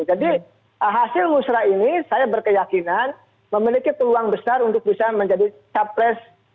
jadi hasil musrah ini saya berkeyakinan memiliki peluang besar untuk bisa menjadi capres